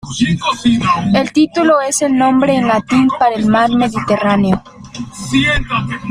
El título es el nombre en latín para el Mar mediterráneo.